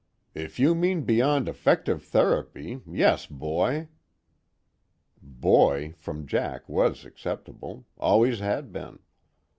"If you mean beyond effective therapy, yes, boy." "Boy" from Jack was acceptable always had been.